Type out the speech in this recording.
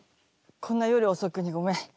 こんな夜遅くにごめん。